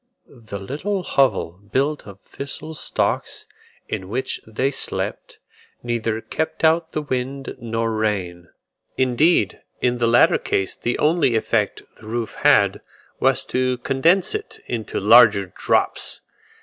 The little hovel, built of thistle stalks, in which they slept, neither kept out the wind nor rain; indeed in the latter case the only effect the roof had, was to condense it into larger drops.